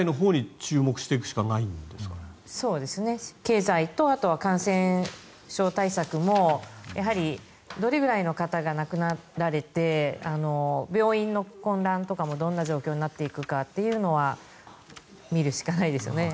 経済とあとは感染症対策もやはり、どれくらいの方が亡くなられて病院の混乱とかもどんな状況になっていくかというのは見るしかないですよね。